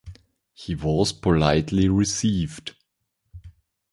He was politely received.